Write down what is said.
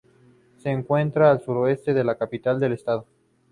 Se encuentra al sureste de la capital del estado.